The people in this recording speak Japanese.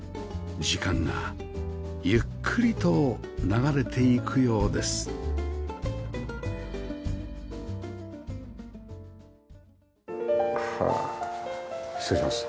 時間がゆっくりと流れていくようですはあ失礼します。